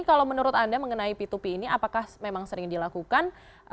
kalau menurut anda mengenai p dua p ini apakah memang sering dilakukan